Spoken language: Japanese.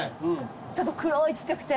ちょっと黒いちっちゃくて。